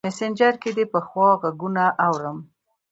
مسینجر کې دې پخوا غـــــــږونه اورم